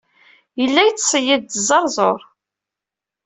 Yella yettṣeyyid-d azeṛzuṛ.